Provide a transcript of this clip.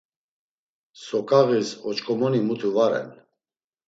Soǩağis oç̌ǩomoni mutu va ren.